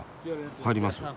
入ります。